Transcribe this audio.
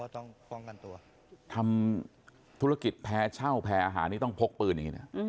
ทำธุรกิจแพ้เช่าแพ้อาหารต้องพกปืน